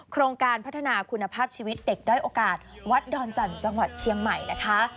โครงการพัฒนาคุณภาพชีวิตเด็กด้อยโอกาสวัดดอนจันทร์จังหวัดเชียงใหม่นะคะ